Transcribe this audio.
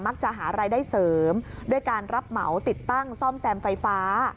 จะหารายได้เสริมด้วยการรับเหมาติดตั้งซ่อมแซมไฟฟ้า